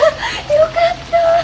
よかった！